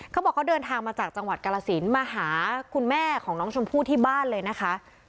เขาบอกเขาเดินทางมาจากจังหวัดกาลสินมาหาคุณแม่ของน้องชมพู่ที่บ้านเลยนะคะ